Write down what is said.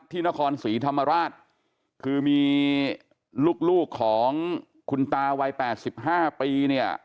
ที่นครศรีธรรมราชคือมีลูกลูกของคุณตาวัย๘๕ปีเนี่ย